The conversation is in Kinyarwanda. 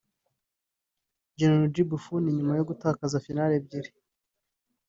Gianluigi Buffon nyuma yo gutakaza final ebyri